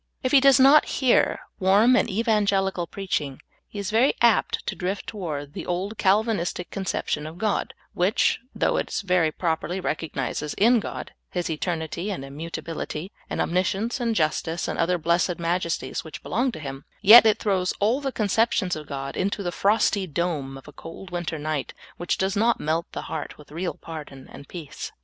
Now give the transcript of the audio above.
If he does not hear warm and evangeHcal preaching, he is ver}^ apt to drift to ward the old Calvinistic conception of God, which, though it ver} properly recognizes in God His eternity, and immutability, and omniscience, and justice, and other blessed majesties which belong to Him, yet it throws all the conceptions of God into the frosty dome of a cold winter night, which does not melt the heart with real pardon and peace.